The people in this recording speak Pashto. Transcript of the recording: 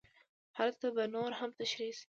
هلته به نور هم تشرېح شي.